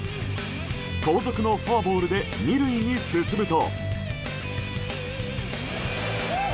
後続のフォアボールで２塁に進むと。